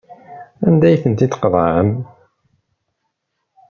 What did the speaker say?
Anda ay tent-id-tqeḍɛem?